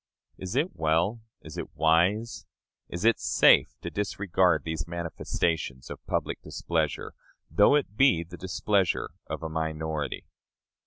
Is it well, is it wise, is it safe, to disregard these manifestations of public displeasure, though it be the displeasure of a minority?